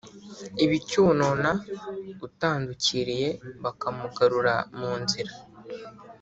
ibicyonona, utandukiriye bakamugarura mu nzira